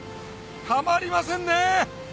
たまりませんね！